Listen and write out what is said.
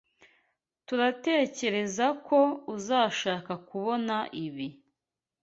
turatekerezako uzashaka kubona ibi.